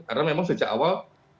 karena memang sejak awal